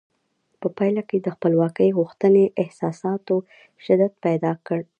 په پایله کې د خپلواکۍ غوښتنې احساساتو شدت پیدا کړ.